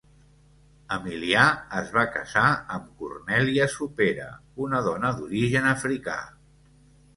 Emilià es va casar amb Cornèlia Supera, una dona d'origen africà.